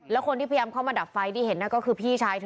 แล้วคนที่พยายามเข้ามาดับไฟที่เห็นก็คือพี่ชายเธอ